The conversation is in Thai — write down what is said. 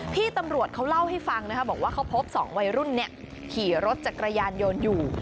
พี่ตำรวจเขาเล่าให้ฟังนะคะบอกว่าเขาพบ๒วัยรุ่นขี่รถจักรยานยนต์อยู่